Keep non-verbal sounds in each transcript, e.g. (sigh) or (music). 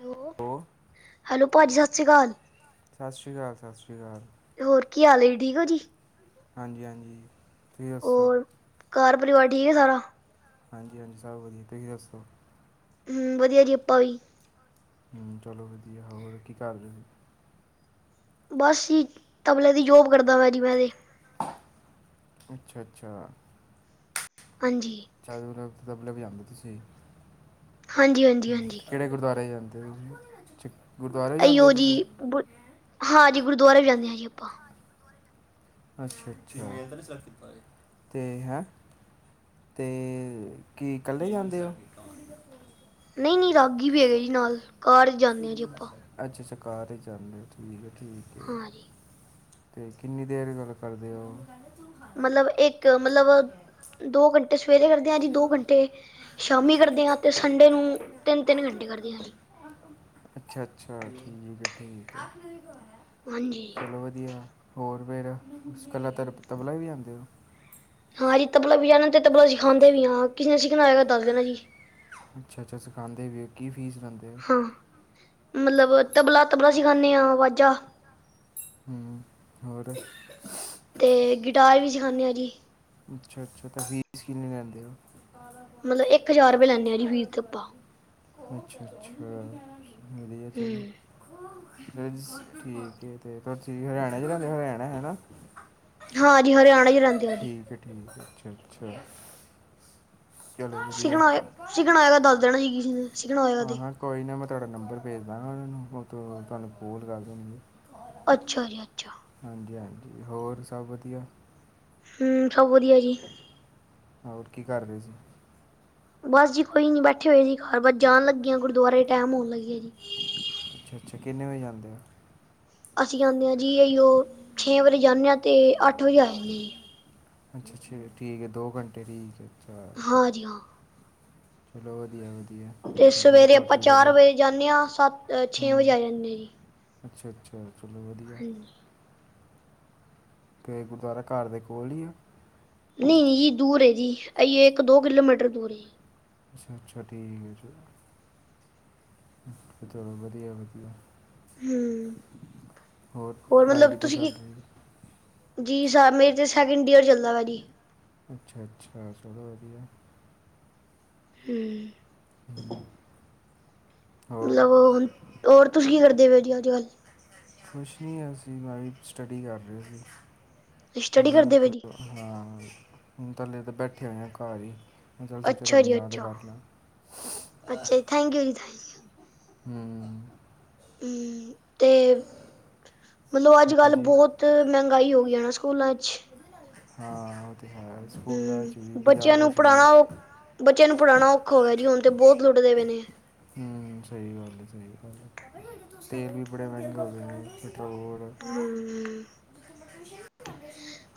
Hello, ਹੋਰ hello ਭਾਜੀ ਸਤਿ ਸੀ ਅਕਾਲ। ਸਤਿ ਸ਼੍ਰੀ ਅਕਾਲ- ਸਤਿ ਸ਼੍ਰੀ ਅਕਾਲ। ਹੋਰ ਕੀ ਹਾਲ ਏ ਠੀਕ ਹੋ ਜੀ। ਹਾਂਜੀ- ਹਾਂਜੀ ਤੁਹੀ ਦੱਸੋ। ਹੋਰ ਘਰ ਪਰਿਵਾਰ ਠੀਕ ਏ ਸਾਰਾ ਹਾਂਜੀ- ਹਾਂਜੀ ਸਭ ਵਧੀਆ ਤੁਸੀਂ ਦੱਸੋ। ਹੂੰ ਵਧੀਆ ਜੀ ਆਪਾਂ ਵੀ ਹੂੰ ਚਲੋ ਵਧੀਆ ਹੋਰ ਕੀ ਕਰ ਰਹੇ ਸੀ। ਬਸ ਹੀ ਤਬਲੇ ਦੀ ਜੋਬ ਕਰਦਾ ਮੈਂ ਜੀ ਮੈਂ ਤੇ ਅੱਛਾ -ਅੱਛਾ ਹਾਂਜੀ। ਚਦ (unintelligible) ਤਬਲੇ ਵਜਾਂਦੇ ਤੁਸੀਂ? ਹਾਂਜੀ, ਹਾਂਜੀ, ਹੂੰ। ਹਾਂਜੀ ਕਿਹੜੇ ਗੁਰਦੁਆਰੇ ਜਾਂਦੇ ਹੋ? ਗੁਰਦੁਆਰੇ ਜਾਂਦੇ ਹੋ ਤੁਸੀਂ? ਹਾਂਜੀ। ਗੁਰਦੁਆਰੇ ਵੀ ਜਾਨੇ ਹਾਂ ਜੀ ਆਪਾਂ। ਅੱਛਾ-ਅੱਛਾ, ਤੇ ਹੈਂ ਤੇ ਕੀ ਇਕੱਲੇ ਜਾਂਦੇ ਹੋ? ਕਮ ਣੀ ਕਰ (unintelligible) ਨਹੀਂ ਨਹੀਂ ਰਾਗੀ ਵੀ ਹੈਗੇ ਜੀ ਨਾਲ, ਕਾਰ ਚ ਜਾਨੇ ਆ ਜੀ ਆਪਾਂ। ਅੱਛਾ-ਅੱਛਾ ਕਾਰ 'ਚ ਜਾਂਦੇ ਠੀਕ ਹੈ ਠੀਕ। ਹਾਂ ਜੀ। ਤੇ ਕਿੰਨੀ ਦੇਰ ਗੱਲ ਕਰਦੇ ਹੋ? ਮਤਲਬ ਇੱਕ ਮਤਲਬ ਹੋ ਦੋ ਘੰਟੇ ਸਵੇਰੇ ਕਰਦੇ ਹਾਂ ਜੀ ਦੋ ਘੰਟੇ ਸ਼ਾਮੀ ਕਰਦੇ ਹਾਂ ਤੇ ਸੰਡੇ ਨੂੰ ਤਿੰਨ-ਤਿੰਨ ਘੰਟੇ ਕਰਦੇ ਹਾਂ ਜੀ। ਅੱਛਾ-ਅੱਛਾ! ਠੀਕ ਹੈ ਠੀਕ, ਹਾਂਜੀ। ਚਲੋ ਵਧੀਆ। ਵਧੀਆ ਹੋਰ ਫੇਰ? ਤੁਸੀ ਕਲਾ ਤ ਤਬਲਾ ਈ ਵਜਾਂਦੇ ਹੋ? ਹਾਂਜੀ। ਤਬਲਾ ਵਜਾਨੇ ਤੇ ਤਬਲਾ ਸਿਖਾਂਦੇ ਵੀ ਹਾਂ, ਕਿਸੇ ਨੇ ਸਿਖਣਾ ਹੋਇਗਾ ਦੱਸ ਦੇਣਾ ਜੀ। ਅੱਛਾ-ਅੱਛਾ ਸਿਖਾਦੇ ਵੀ ਓ। ਕੀ ਫੀਸ ਲੈਂਦੇ? ਹੋ (inaudible) ਮਤਲਬ ਤਬਲਾ ਤਬਲਾ ਸਿਖਾਨੇ ਆ ਵਾਜਾਂ। ਹੂੰ, ਹੋਰ? ਤੇ ਗਿਟਾਰ ਵੀ ਸਿਖਾਨੇ ਆ ਜੀ। ਅੱਛਾ-ਅੱਛਾ, ਤਾਂ ਫੀਸ ਕਿੰਨੀ ਲੈਂਦੇ ਹੋ? ਕਾਲਾ ਮਤਲਬ ਪਾਣੀ ਇੱਕ ਹਜ਼ਾਰ ਰੁਪਏ ਲੈਂਨੇ ਆ ਜੀ ਫੀਸ ਆਪਾ। ਅੱਛਾ-ਅੱਛਾ! ਵਧੀਆ ਚਲੋ। ਹੂੰ (unintelligible) ਠੀਕ ਤੇ ਤੁਸੀ ਹਰਿਆਣਾ ਚ ਰਹਦੇ ਹਰਿਆਣਾ ਹੈਨਾ? ਹਾਂ ਜੀ ਹਰਿਆਣਾ ਚ ਰਹਿੰਦੇ ਆ ਜੀ ਠੀਕ ਹੈ ਠੀਕ ਹੈ, ਅੱਛਾ-ਅੱਛਾ। ਚਲੋ ਵਧੀਆ ਸਿੱਖਣਾ ਹੋਏ ਸਿੱਖਣਾ ਹੋਏਗਾ ਦੱਸ ਦੇਣਾ ਜੀ ਕਿਸੇ ਨੇ ਸਿੱਖਣਾ ਹੋਏਗਾ ਤੇ ਹਾਂ-ਹਾਂ। ਕੋਈ ਨਾ ਮੈਂ ਤੁਹਾਡਾ ਨੰਬਰ ਭੇਜ ਦਾਂਗਾ ਉਹਨਾਂ ਨੂੰ, ਮ (unintelligible) ਤੁਹਾਨੂੰ ਫੋਨ ਕਰ ਦੇਣ ਗੇ। ਅੱਛਾ ਜੀ ਅੱਛਾ। ਹਾਂਜੀ ਹਾਂਜੀ, ਹੋਰ ਸਭ ਵਧੀਆ? ਹੂੰ, ਸਭ ਵਧੀਆ ਜੀ। ਹੋਰ ਕੀ ਕਰਦੇ ਸੀ? ਬਸ ਜੀ ਕੋਈ ਨੀ ਬੈਠੇ ਹੋਏ ਜੀ ਘਰ, ਬਸ ਜਾਣ ਲੱਗੀਆਂ ਗੁਰਦੁਆਰੇ ਟਾਈਮ ਹੋਣ ਲੱਗੀਆਂ ਜੀ। ਅੱਛਾ-ਅੱਛਾ! ਕਿੰਨੇ ਵਜੇ ਜਾਂਦੇ ਓ? ਅਸੀਂ ਜਾਨੇ ਆ ਜੀ, ਆਇਯੋ ਛੇ ਵਜੇ ਜਾਂਦੇ ਹਾ ਅਤੇ ਅੱਠ ਵਜੇ ਆ ਜਾਂਨੇ ਆ ਜੀ। ਅੱਛਾ-ਅੱਛਾ! ਠੀਕ ਹੈ ਦੋ ਘੰਟੇ ਦੀ ਹਾਂਜੀ ਹਾਂ। ਚਲੋ ਵਧੀਆ ਵਧੀਆ। ਤੇ ਗੁਰੂ ਸਵੇਰੇ ਘਰ ਆਪਾਂ ਜੁੜੇ ਚਾਰ ਦਿਓ ਵਜੇ ਜਾਂਨੇ ਆ ਸੱਤ, ਛੇ ਵਜੇ ਆ ਜਾਂਨੇ ਆ ਜੀ। ਅੱਛਾ-ਅੱਛਾ ਚਲੋ ਵਧੀਆ। ਹਾਂਜੀ, (inaudible) ਤੇ ਗੁਰਦੁਆਰਾ ਘਰ ਦੇ ਕੋਲ ਈ ਆ? ਨਈ ਜੀ, ਦੂਰ ਐ ਜੀ, ਅਏ ਇੱਕ ਦੋ ਕਿਲੋਮੀਟਰ ਦੂਰ ਹੈ ਜੀ। ਅੱਛਾ-ਅੱਛਾ ਠੀਕ ਹੈ ਜੀ। ਚਲੋ ਵਧੀਆ ਵਧੀਆ। ਹੂੰ। ਹੋਰ? ਪੜ੍ਹਾਈ ਮਤਲਬ ਕਿੱਦਾਂ ਤੁਸੀਂ ਚੱਲ ਕੀ ਰਹੀ ਆ? ਜੀ, ਸਰ ਮੇਰੇ ਤਾਂ ਸੈਕਿੰਡ ਈਅਰ ਚੱਲਦਾ ਭਾਜੀ। ਅੱਛਾ-ਅੱਛਾ ਚਲੋ ਵਧੀਆ। ਹੂੰ। ਹੂੰ। ਮਤਲਬ ਹੁਣ, ਹੋਰ ਤੁਸੀਂ ਕੀ ਕਰਦੇ ਪਏ ਜੀ ਅੱਜ- ਕੱਲ੍ਹ। ਕੁਛ ਨਹੀਂ ਅਸੀਂ ਬਾਈ ਸਟੱਡੀ ਕਰ ਰਹੇ ਸੀ, ਸਟੱਡੀ ਮਨ ਕਰਦੇ ਪਏ ਜੀ। ਹਾਂ, ਹੁਣ ਥੱਲੇ ਤਾਂ ਬੈਠੇ ਹੋਏ ਆ ਘਰ ਹੀ। ਮੈਂ ਚੱਲ ਸੋਚਿਆ, ਅੱਛਾ ਤੁਹਾਨੂੰ ਜੀ ਯਾਦ ਅੱਛਾ ਕਰ ਲਾਂ। ਅੱਛਾ ਜੀ ਥੈਂਕ ਯੂ ਜੀ ਥੈਂਕ ਹੂੰ, ਹੂੰ, ਤੇ ਮਤਲਬ ਅੱਜ- ਕੱਲ੍ਹ ਹਾਂਜੀ ਬਹੁਤ ਮਹਿੰਗਾਈ ਹੋ ਗਈ ਨਾ, ਸਕੂਲਾਂ ਚ। ਹਾਂ ਉਹ ਤੇ ਹੈ, ਸਕੂਲਾਂ ਚ ਵੀ, ਹੂੰ ਬੱਚਿਆਂ ਬਜ਼ਾਰਾਂ ਨੂੰ ਚ ਵੀ। ਪੜ੍ਹਾਉਣਾ ਬੱਚਿਆਂ ਨੂੰ ਪੜ੍ਹਾਣਾ ਔਖਾ ਹੋ ਗਿਆ ਜੀ, ਹੁਣ ਤੇ ਬਹੁਤ ਲੁੱਟਦੇ ਪਏ ਨੇ। ਸਹੀ ਗੱਲ ਏ, ਸਹੀ ਗੱਲ, ਤੇਲ ਵੀ ਬੜੇ ਮਹਿੰਗਾ ਹੋ ਗਿਆ ਪੈਟਰੋਲ। ਹੈ ਹੂੰ, (unintelligible)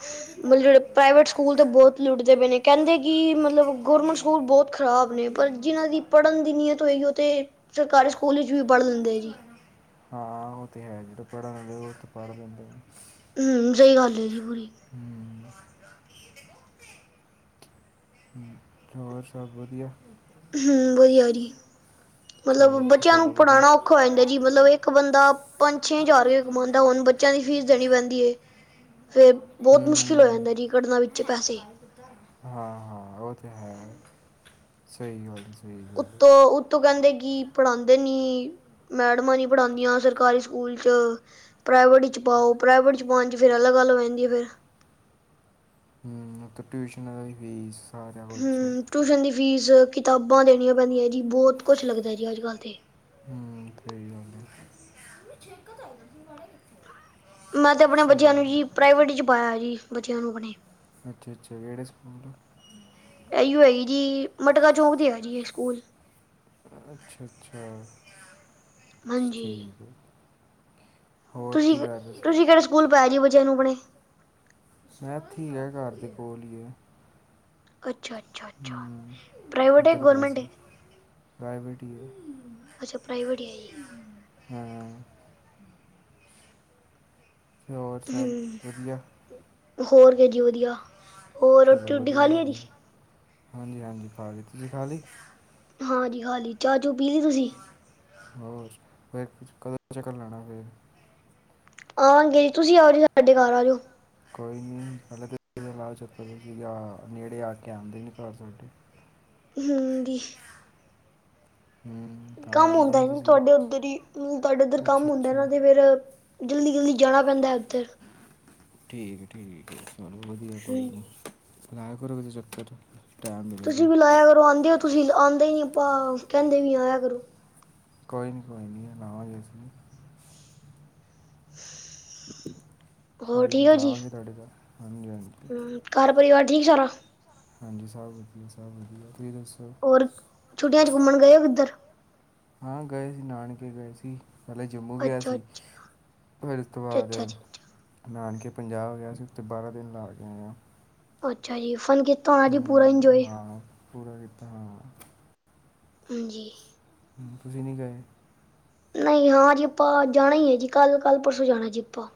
ਉਹਦੀ ਮਤਲਬ ਦਾਦੀ ਜਿਹੜੇ ਪ੍ਰਾਈਵੇਟ ਬੋਲਦੀ ਸਕੂਲ ਤੇ ਸੀ ਬਹੁਤ ਲੁੱਟਦੇ ਪਏ ਨੇ, ਕਹਿੰਦੇ ਕਿ ਮਤਲਬ ਮਤਲਬ ਗੌਰਮੈਂਟ ਸਕੂਲ ਬਹੁਤ ਖ਼ਰਾਬ ਨੇ, ਰੋਟੀ ਪਰ ਇਹਨਾਂ ਨੂੰ ਜਿਨਾਂ ਚੁਪਾ ਦੀ ਦਿੱਤਾ ਹੈ ਪੜ੍ਹਨ ਦੀ ਨੀਅਤ ਹੋਏਗੀ, ਉਹ ਤੇ ਸਰਕਾਰੀ ਸਕੂਲ ਵਿਚ ਵੀ ਪੜ੍ਹ ਲੈਂਦੇ ਐ ਜੀ। ਹਾਂ ਉਹ ਤੇ ਹੈ, ਜਿਹੜੇ ਪੜ੍ਹਨ ਆਲੇ ਉਹ ਪੜ੍ਹ ਲੈਦੇਂ ਨੇ। ਹੂੰ, ਸਹੀ ਗੱਲ ਐ ਜੀ ਪੂਰੀ। ਹੂੰ, ਹੂੰ, ਹੋਰ ਸਭ ਵਧੀਆ। ਹੂੰ, ਵਧੀਆ ਜੀ। ਮਤਲਬ ਚਲੋ ਅੱਛਾ, ਬੱਚਿਆਂ ਨੂੰ ਚਲੋ ਵਧੀਆ ਪੜ੍ਹਾਣਾ ਔਖਾ ਹੋ ਜਾਂਦਾ ਜੀ, ਮਤਲਬ ਇੱਕ ਬੰਦਾ ਪੰਜ ਛੇ ਹਜ਼ਾਰ ਰੁਪਇਆ ਕਮਾਂਦਾ, ਹੁਣ ਬੱਚਿਆਂ ਦੀ ਫੀਸ ਦੇਣੀ ਪੈਂਦੀ ਏ। ਫਿਰ ਬਹੁਤ ਮੁਸ਼ਕਿਲ ਹੋ ਜਾਂਦਾ, ਜੀ ਕੱਢਨਾ ਵਿੱਚੋਂ ਪੈਸੇ। ਕੁੱਤਾ ਹਾਂ- ਹਾਂ ਉਹ ਤੇ ਹੈ, ਸਹੀ ਗੱਲ ਸਹੀ ਗੱਲ ਉਤੋਂ ਉ ਉੱਤੋਂ ਕਹਿੰਦੇ ਕੀ ਪੜ੍ਹਾਂਦੇ ਨੀ, ਮੈਡਮਾਂ ਨੀ ਪੜ੍ਹਾਂਦੀਆਂ ਸਰਕਾਰੀ ਸਕੂਲ ਚ। ਪ੍ਰਾਈਵੇਟ ਵਿੱਚ ਪਾਓ, ਪ੍ਰਾਈਵੇਟ ਵਿੱਚ ਪਾਉਣ ਚ ਫਿਰ ਅਲੱਗ ਗੱਲ ਹੋ ਜਾਂਦੀ ਹੈ ਫਿਰ। ਹੂੰ, ਉੱਤੋਂ ਟਿਊਸ਼ਨਾਂ ਆਲੀ ਫੀਸ। ਸਾਰਾ ਕੁਝ ਹੂੰ, ਟੂਸ਼ਨ ਦੀ ਫੀਸ, ਕਿਤਾਬਾਂ ਦੇਣੀਆਂ ਪੈਂਦੀਆਂ ਜੀ, ਬਹੁਤ ਕੁਛ ਲੱਗਦਾ ਜੀ ਅੱਜ- ਕੱਲ੍ਹ ਤੇ। ਹੂੰ, ਸਹੀ ਗੱਲ ਐ। ਮੈਂ ਤੇ ਆਪਣੇ ਬੱਚਿਆਂ ਨੂੰ ਜੀ, ਪ੍ਰਾਈਵੇਟ ਚ ਪਾਇਆ ਜੀ, ਬੱਚਿਆਂ ਨੂੰ ਆਪਣੇ। ਅੱਛਾ- ਅੱਛਾ, ਕਿਹੜੇ ਸਕੂਲ ਇਹੀਓ ਹੈਗੀ ਜੀ, ਮਟਕਾ ਚੌਂਕ ਤੇ ਹੈ ਜੀ ਇਹ ਸਕੂਲ। ਅੱਛਾ- ਅੱਛਾ। ਹਾਂਜੀ, ਠੀਕ ਹੈ ਹੋਰ ਕੀ ਤੁਸੀਂ- ਕਰ ਰਹੇ ਸੀ? ਤੁਸੀਂ ਕਿਹੜੇ ਸਕੂਲ ਪਾਇਆ ਜੀ, ਬੱਚਿਆਂ ਨੂੰ ਆਪਣੇ। ਐਥੀ ਹੈ, ਘਰ ਦੇ ਕੋਲ ਹੀ ਹੈ। ਅੱਛਾ-ਅੱਛਾ। ਹੂੰ, ਇੱਧਰ ਪਾਸੇ, ਪ੍ਰਾਈਵੇਟ ਹੀ ਹੈ। ਅੱਛਾ, ਪ੍ਰਾਈਵੇਟ ਐ ਜੀ। ਹੂੰ, ਹੋਰ ਸਭ ਹਮ ਵਧੀਆ। ਹੋਰ ਬਸ ਜੀ ਵਧੀਆ, ਹੋਰ ਰੋਟੀ-ਰੂਟੀ ਖਾ ਲਈ ਐ ਜੀ। ਹਾਂਜੀ-ਹਾਂਜੀ ਖਾਲੀ, ਤੁਸੀਂ ਖਾ ਲੀ। ਹਾਂਜੀ ਖਾ ਲੀ, ਚਾਹ ਚੂ ਪੀ ਲਈ ਤੁਸੀਂ। ਹੋਰ ਫੇਰ, ਤੁਸੀਂ ਕਦੋਂ ਚੱਕਰ ਲਾਣਾ ਫੇਰ। ਆਵਾਂਗੇ ਜੀ, ਤੁਸੀਂ ਆ ਜਿਓ, ਸਾਡੇ ਘਰ ਆ ਜੋ। ਕੋਈ ਨੀ, ਹਲੇ ਤੇ (unintelligible) ਯਾ ਨੇੜੇ ਆ ਕੇ ਆਂਦੇ ਨੀ ਕਾਰ ਸਾਡੇ। (unintelligible) ਹੂੰ ਦੀ। ਹੂੰ ਤਾਂ ਕੰਮ ਆਉਂਦੇ ਹੁੰਦਾ ਹੀ ਨਹੀਂ ਤੁਸੀਂ ਤੁਹਾਡੇ ਉੱਧਰ ਹੀ। ਉਮ-ਤੁਹਾਡੇ ਉੱਧਰ ਅੱਛਾ ਕੰਮ ਹੁੰਦਾ ਨਾ ਅੱਛਾ ਤੇ ਫਿਰ ਜਲਦੀ ਜਲਦੀ ਜਾਣਾ ਪੈਂਦਾ ਉੱਥੇ। ਠੀਕ ਠੀਕ ਚਲੋਂ ਵਧੀਆ ਕੋਈ ਹੂੰ ਨੀ ਲਾਇਕ (unintelligible) ਤੁਸੀਂ ਵੀ ਲਾਇਆ ਕਰੋ ਆਉਂਦੇ ਹੋ ਤੁਸੀਂ, ਆਉਂਦੇ ਹੀ ਨੀ ਆਪਾਂ ਕਹਿੰਦੇ ਨੀ ਆਇਆ ਕਰੋ। ਕੋਈ ਨਹੀਂ ਕੋਈ ਨਹੀਂ, ਲਵਾਂਗੇ ਅਸੀਂ ਵੀ। (inaudible) ਹੋਰ ਕੋਈ ਨਹੀਂ ਲਾਵਾਂਗੇ ਤੁਹਾਡੇ ਘਰ। ਹਾਂਜੀ -ਹਾਂਜੀ। ਹਮਮਹ ਘਰ ਪਰਵਾਰ ਠੀਕ ਸਾਰਾ। ਹਾਂਜੀ ਸਭ ਵਧੀਆ ਸਭ ਵਧੀਆ। ਤੁਸੀ ਦਸੋ। ਹੋਰ ਛੁੱਟੀਆਂ ਚ ਘੁੰਮਣ ਗਏ ਓ ਕਿੱਧਰ? ਹਾਂ ਗਏ ਸੀ-ਨਾਨਕੇ ਗਏ ਸੀ। ਪਹਿਲੇ ਜੰਮੂ ਗਿਆ ਅੱਛਾ ਸੀ, ਅੱਛਾ ਫੇਰ ਉਸ ਤੋਂ ਬਾਦ ਅੱਛਾ ਅੱਛਾ ਅੱਛਾ ਨਾਨਕੇ ਪੰਜਾਬ ਗਿਆ ਸੀ ਉੱਥੇ ਬਾਰਾਂ ਦਿਨ ਲਾ ਕੇ ਆਇਆਂ ਹਾਂ। ਅੱਛਾ ਜੀ। ਫਨ ਕੀਤਾ ਹੋਣਾ ਜੀ ਪੂਰਾ ਹੂੰ ਇੰਜੋਏ। ਹਾਂ ਪੂਰਾ ਦਿੱਤਾ ਹੋਣਾ। ਹਾਂਜੀ। ਹਾਂਜੀ ਤੁਸੀ ਨਈ ਗਏ? ਨਈ ਹਾਂ ਜੀ ਆਪਾਂ ਜਾਣਾ ਈ ਏ ਜੀ। ਕੱਲ੍ਹ-ਕੱਲ੍ਹ ਪਰਸੋਂ ਜਾਣਾ ਜੀ ਆਪਾਂ।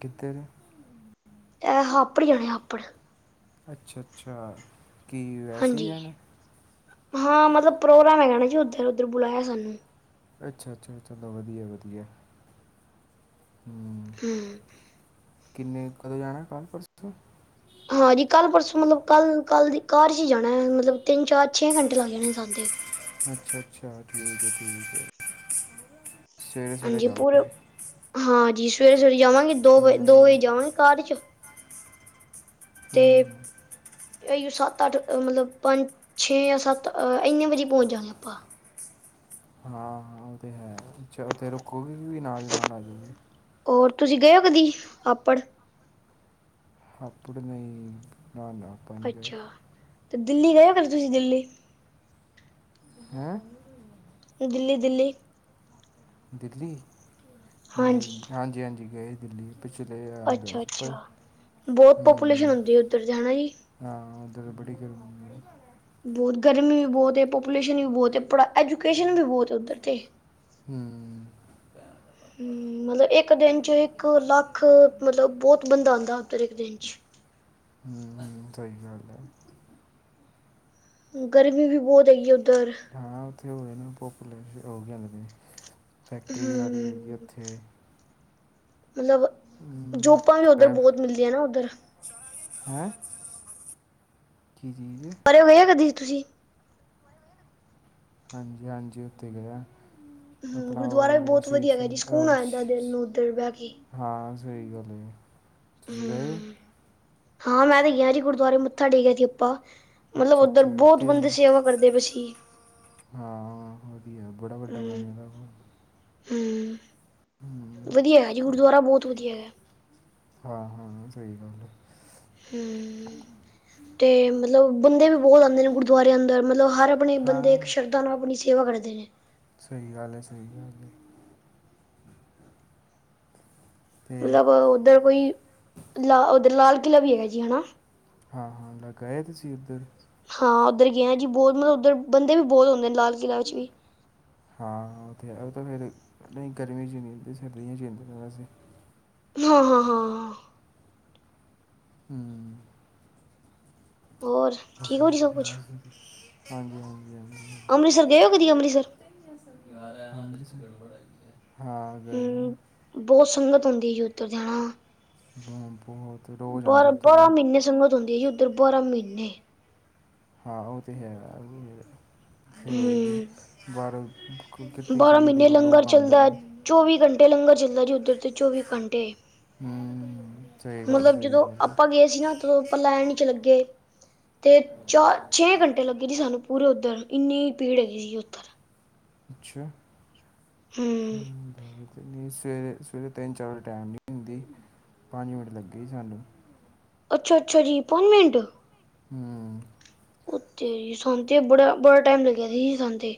ਕਿਧਰ? ਐਹ ਹਾਪੜ ਜਾਣਾ ਹਾਪੜ। ਅੱਛਾ ਅੱਛਾ। ਕੀ ਵੈਸੇ ਹੀ ਹਾਂਜੀ ਜਾਣਾ? ਹਾਂ ਮਤਲਬ ਪ੍ਰੋਗਰਾਮ ਹੈਗਾ ਨਾ ਜੀ ਉਧੱਰ। ਉਧੱਰ ਬੁਲਾਇਆ ਸਾਨੂੰ। ਅੱਛਾ-ਅੱਛਾ-ਅਛਾ ਬ-ਵਧੀਆ-ਵਧੀਆ। ਹੂੰ। ਹੁਮਮ। ਕਿੰਨੇ, ਕਦੋਂ ਜਾਣਾ ਕੱਲ੍ਹ ਪਰਸੋਂ? ਹਾਂਜੀ ਕੱਲ ਪਰਸੋਂ, ਮਤਲਬ ਕੱਲ-ਕੱਲ ਦੀ ਕਾਰ ਚ ਈ ਜਾਣਾ ਹੈ, ਮਤਲਬ ਤਿੰਨ ਚਾਰ ਛੇ ਘੰਟੇ ਲੱਗ ਜਾਂਦੇ ਨੇ ਸਨ ਤੇ। ਅੱਛਾ-ਅੱਛ ਛ ਠੀਕ ਹੇ-ਠੀਕ ਹੇ। (unintelligible) ਹਾਂਜੀ ਪੂਰੇ, ਹਾਂਜੀ ਸਵੇਰੇ-ਸਵੇਰੇ ਜਾਵਾਂਗੇ ਦੋ ਵ ਦੋ ਵਜੇ ਹੂੰ ਜਾਵਾਂਗੇ ਕਾਰ ਚ ਅਤੇ ਹੂੰ ਇਹੀ ਸੱਤ ਅੱਠ ਮਤਲਬ ਪੰਜ ਛੇ ਜਾਂ ਸੱਤ ਇੰਨੇ ਆ ਵਜੇ ਪਹੁੰਚ ਜਾਣਾ ਆਪਾਂ। ਹਾਂ ਹਾਂ ਉਹ ਤੇ ਹੈ, ਤੇ ਰੁਕੋਗੇ ਵੀ ਨਾਲ-ਨਾਲ ਆ ਜੋਗੇ? ਹੋਰ ਤੁਸੀ ਗਏ ਔ ਕਦੀ ਹਾਪੜ? ਹਾਪੜ ਨਈ ਨਾ ਨਾ। ਆਪਾਂ ਨਹੀਂ ਗਏ ਅੱਛਾ। ਤੇ ਦਿੱਲੀ ਗਏ ਹੋ ਕਦੇ ਤੁਸੀ ਦਿੱਲੀ? ਹੈਂ? ਦਿੱਲੀ-ਦਿੱਲੀ। ਦਿੱਲੀ? ਨਈ ਹਾਂਜੀ ਹਾਂਜੀ-ਹਾਂਜੀ ਗਏ ਦਿੱਲੀ। ਪਿਛੇ ਗੇਆ ਗਏ ਅੱਛਾ ਸੀ। (unintelligible) ਅੱਛਾ ਬਹੁਤ ਪਾਪੂਲੇਸ਼ਨ ਹੂਮਮ। ਹੁੰਦੀ ਹੈ ਉੱਧਰ ਤੇ ਹਨਾ ਜੀ ਹਾਂ ਓਧਰ ਤੇ ਬੜੀ ਗਰਮੀ ਏ। ਬੋਤ ਗਰਮੀ ਵੀ ਬੋਤ ਏ, ਪੋਪੂਲੇਸ਼ਨ ਵੀ ਬੋਤ ਏ ਪੜਾ ਐਜੂਕੇਸ਼ਨ ਵੀ ਬੋਤ ਏ ਓਧਰ ਤੇ। ਹੂੰ। ਮਤਲਬ ਏਕ ਹੂੰ ਦਿਨ ਚ ਇੱਕ ਲੱਖ, ਮਤਲਬ ਬੋਤ ਬੰਦਾ ਆਂਦਾ ਓਧਰ ਏਕ ਦਿਨ ਚ। ਹਮਮ, ਸਹੀ ਗੱਲ ਐ। ਗਰਮੀ ਵੀ ਬੋਤ ਹੈਗੀ ਐ ਉੱਧਰ। ਹਾਂ ਓਥੇ ਓ ਏ ਨਾ ਪਾੋਪੂਲੇਸ਼ ਓ ਕੀ ਕਹਂਦੇ ਨੇ ਫੈਕਟਰੀ ਵਾਰੀ ਹਮ ਹੈਗੀ ਓਥੇ। ਮਤਲਬ ਹਮ ਜੋਪਾਂ ਵੀ ਓਧਰ ਬੋਤ ਮਿਲਦੀਆਂ ਨਾ ਓਧਰ। ਹੈਂ? ਕੀ ਚੀਜ਼? ਏ ਗਏ ਓ ਕਦੀ ਤੁਸੀ? ਹਾਂਜੀ ਹਾਂਜੀ ਓਥੇ ਗਏ ਆਂ। ਹਮ ਆਪਣਾ ਓ ਗੁਰਦੁਆਰਾ ਵੀ ਜੇਹੜਾ, ਬਹੁਤ ਸ਼ਹੀਦ ਵਧੀਆ ਹੈਗਾ ਜੀ ਸਿੰਘ ਸਕੂਨ ਦਾ ਆ ਜਾਂਦਾ ਦਿਲ ਸ਼ ਨੂੰ ਉੱਧਰ ਬਹਿ ਕੇ ਹਾਂ ਸਹੀ ਗੱਲ ਏ, ਤੁਸੀ ਗਏ ਓ? ਹਮ ਹਾਂ ਮੈਂ ਤੇ ਗਿਆ ਜੀ ਗੁਰਦੁਆਰੇ ਮੱਥਾ ਟੇਕਿਆ ਸੀ ਆਪਾਂ। ਮਤਲਬ, ਅੱਛਾ ਓਧਰ ਅੱਛਾ ਬੋਤ ਬੰਦੇ ਕਿ ਸੇਵਾ ਕਰਦੇ ਪੇ ਸੀ। ਹਾਂ ਵਧੀਆ ਬੜਾ ਵੱਡਾ ਹੂੰ ਬਣਯਾ ਦਾ ਐ ਓਹ। ਹੂੰ, ਹੂੰ ਵਧੀਆ ਹੈ ਜੀ, ਗੁਰਦੁਆਰਾ ਬੋਤ ਵਧੀਆ ਹੈਗਾ ਹਾਂ ਹਾਂ ਸਹੀ ਗੱਲ ਐ। ਹੁਂ, ਤੇ ਮਤਲਬ ਬੰਦੇ ਵੀ ਬੋਤ ਆਂਦੇ ਨੇ ਗੁਰਦੁਆਰੇ ਅੰਦਰ, ਮਤਲਬ ਹਰ ਆਪਣੇ ਬੰਦੇ, ਇੱਕ ਹਾਂ ਸ਼ਰਧਾ ਨਾਲ ਆਪਣੀ ਸੇਵਾ ਕਰਦੇ ਨੇ। ਸਈ ਗੱਲ ਏ, ਸਈ ਗੱਲ ਏ। ਤੇ ਮਤਲਬ ਓਧਰ ਕੋਈ ਲ, ਓਧਰ ਲਾਲ ਕਿਲ੍ਹਾ ਵੀ ਹੈਗਾ ਜੀ ਹੈਨਾ। ਹਾਂ-ਹਾਂ ਲਗਾ ਯਾ, ਤੁਸੀ ਉੱਧਰ। ਹਾਂ ਓਧਰ ਗਿਆ ਜੀ, ਬੋ ਮਲਬ ਓਧਰ ਬੰਦੇ ਵੀ ਬੋਤ ਹੁੰਦੇ ਲਾਲ। ਕਿਲ੍ਹਾ ਵਿੱਚ ਵੀ (unintelligible) ਹਾਂ ਓਤੇ ਹੈ, ਓ ਤਾਂ ਫਿਰ ਨਈ ਗਰਮੀ ਚ ਨੀ ਹੁੰਦੀ, ਸਰਦੀਆਂ ਚੀ ਹੁੰਦੀ ਵੈਸੇ। ਹਾਂ-ਹਾਂ-ਹਾਂ ਹੂੰ ਹੋਰ। ਠੀਕ ਹੋ ਜੀ ਸਭ ਕੁਛ ਹਾਂਜੀ-ਹਾਂਜੀ-ਹਾਂਜੀ (unintelligible) ਅੰਮ੍ਰਿਤਸਰ ਗਏ ਹੋ ਕਦੀ ਅੰਮ੍ਰਿਤਸਰ ਹਾ ਗਏ ਬੋਤ ਸੰਗਤ ਹੁੰਦੀ ਐ, ਓਧਰ ਤੇ ਹੈਣਾ ਹਾਂ, ਬਹੁਤ ਰੋਜ਼ ਆਉਂਦੀ ਉੱਥੇ ਬਾਰਾਂ-ਬਾਰਾਂ ਤਾਂ ਮਹੀਨੇ ਸੰਗਤ ਹੁੰਦੀ ਐ ਜੀ, ਉੱਧਰ ਬਾਰਾਂ ਮਹੀਨੇ। ਹਾਂ ਓ ਤੇ ਹੈ, ਹੋਏਗੀ ਹੂੰ ਬਾਹਰੋਂ ਕਿੱਤਨੀ ਬਾਰਾਂ ਕਿੰਨੀ ਮਹੀਨੇ ਦੂਰੋਂ ਲੋਕ ਲੰਗਰ ਲੋਕ ਆਂਦੇ ਚੱਲਦਾ ਨੇ। ਚੌਵੀ ਘੰਟੇ ਲੰਗਰ ਚੱਲਦਾ ਜੀ, ਓਧਰ ਤੇ, ਚੌਵੀ ਘੰਟੇ। ਹੂੰ, ਸਹੀ ਗੱਲ, ਸਹੀ ਗੱਲ ਏ। ਜਿਨਾ ਤ੍ਰੋ, ਆਪਾਂ ਲੈਣ ਇਚ ਲਗੇ। ਤੇ ਚਾਰ ਛੇ ਘੰਟੇ ਲੱਗੇ ਜੀ ਸਾਨੂੰ ਪੂਰੇ ਉਧਰ, ਇੰਨੀ ਭੀੜ ਹੈਗੀ ਸੀ ਉਧਰ। ਅੱਛਾ। ਹੂੰ। ਸਵੇਰੇ-ਸਵੇਰੇ ਤਿੰਨ ਚਾਰ ਵਜੇ ਟਾਈਮ ਨੀ ਹੁੰਦੀ, ਪੰਜ ਮਿੰਟ ਲੱਗੇ ਸਾਨੂੰ। ਅੱਛਾ-ਅੱਛਾ ਜੀ ਅਪੋਇਨਮੈਂਟ। ਹੂੰ ਉੱਥੇ ਸਾਨੂੰ ਤੇ ਬੜਾ ਬੜਾ ਟਾਈਮ ਲੱਗਿਆ ਸੀ ਜੀ ਸਾਨੂੰ ਤੇ,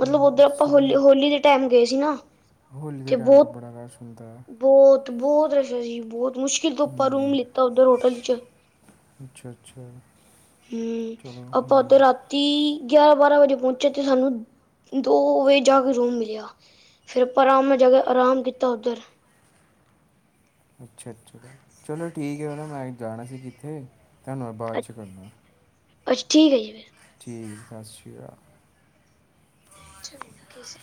ਮਤਲਬ ਹੂੰ, ਓਧਰ ਆਪਾਂ ਤੁਸੀਂ ਫਿਰ ਹੋਲੀ-ਹੋਲੀ ਦੇ ਟਾਈਮ ਗਏ ਸੀ ਨਾ। ਹੋਲੀ ਦੇ ਟਾਈਮ ਤੇ, ਬੜਾ ਰਸ਼ ਹੁੰਦਾ ਹੈ। ਬਹੁਤ ਬਹੁਤ ਰਸ਼ ਐ ਜੀ, ਬਹੁਤ ਮੁਸ਼ਕਿਲ ਤੋਂ ਆਪਾਂ ਰੂਮ ਲਿੱਤਾ ਓਧਰ ਹੋਟਲ ਚ। ਅੱਛਾ-ਅੱਛਾ ਹੂੰ, ਆਪਾਂ ਓਦਰ ਰਾ ਤੀ ਗਿਆਰਾਂ ਬਾਰਾਂ ਵਜੇ ਪੋਂਚਿਐ, ਤੇ ਸਾਨੂੰ ਦੋ ਵਜੇ ਜਾ ਕੇ ਰੂਮ ਮਿਲਿਆ। ਫਿਰ ਆਪਾਂ ਰੂਮ ਮੇਂ ਜਾਕੇ, ਆਰਾਮ ਕੀਤਾ ਔ ਦਰ। ਅੱਛਾ-ਅੱਛਾ, ਚਲੋ ਠੀਕ ਐ ਹੈਨਾ, ਮੈਂ ਜਾਣਾ ਸੀ ਕਿੱਥੇ ਤਾਂ ਮੈਂ ਬਾਦ ਚ ਕਰਦਾ ਆ। ਅੱਛਾ ਠੀਕ ਐ ਜੀ ਫੇਰ ਠੀਕ ਐ, ਸਤਿ ਸ੍ਰੀ ਅਕਾਲ (inaudible)